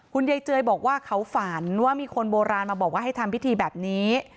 ยายเจยบอกว่าเขาฝันว่ามีคนโบราณมาบอกว่าให้ทำพิธีแบบนี้